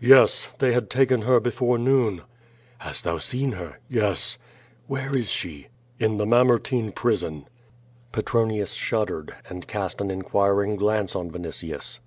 "Yes! They had taken her before noon." *'Hast thou seen her?'' "Yes." "Where is she?" "In the Mamertine prison.^ Petronius shuddered, and cast an inquiring glance on Vini tius.